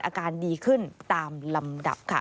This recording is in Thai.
อาการดีขึ้นตามลำดับค่ะ